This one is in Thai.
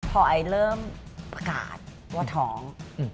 พอไอเริ่มประกาศว่าท้อง